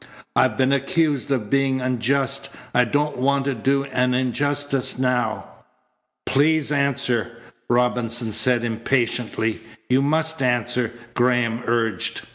I've been accused of being unjust. I don't want to do an injustice now." "Please answer," Robinson said impatiently. "You must answer," Graham urged.